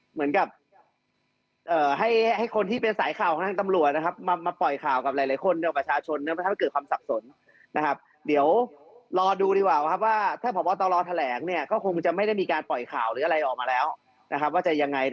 เหมือนกับให้คนที่เป็นสายข่าวของการที่ที่เป็นตำรวจมาปล่อยข่าวกับหลายคน